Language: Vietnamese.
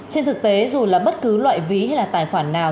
trên thực tế dù là bất cứ loại ví hay là tài khoản nào